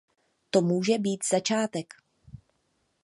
To může být začátek.